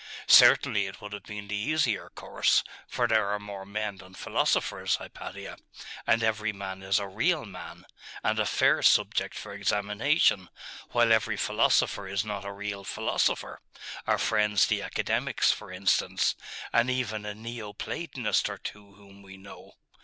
Certainly it would have been the easier course, for there are more men than philosophers, Hypatia; and every man is a real man, and a fair subject for examination, while every philosopher is not a real philosopher our friends the Academics, for instance, and even a Neo Platonist or two whom we know?